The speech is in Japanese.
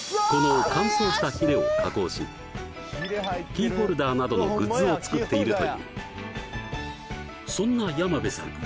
このキーホルダーなどのグッズを作っているというそんな山辺さん